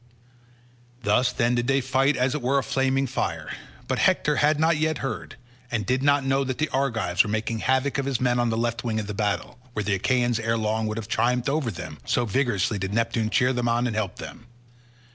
Thus then did they fight as it were a flaming fire. But Hector had not yet heard, and did not know that the Argives were making havoc of his men on the left wing of the battle, where the Achaeans ere long would have triumphed over them, so vigorously did Neptune cheer them on and help them.